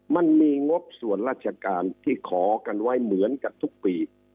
มันมีงบส่วนราชการที่ขอกันไว้เหมือนกับทุกปี